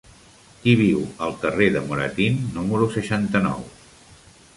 Qui viu al carrer de Moratín número seixanta-nou?